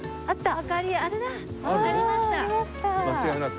あっ！